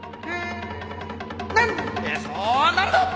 何でそうなるの！